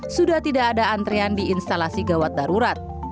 sudah tidak ada antrian di instalasi gawat darurat